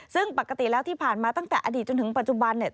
ซึ่งปกติแล้วที่ผ่านมาตั้งแต่อดีตจนถึงปัจจุบันเนี่ย